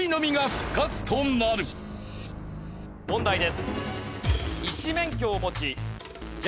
問題です。